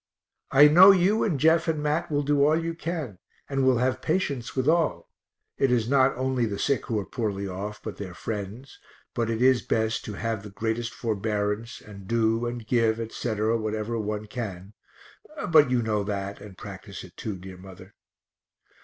I know you and Jeff and Mat will do all you can and will have patience with all (it is not only the sick who are poorly off, but their friends; but it is best to have the greatest forbearance, and do and give, etc., whatever one can but you know that, and practice it too, dear mother).